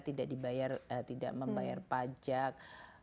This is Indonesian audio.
tidak membayar pajak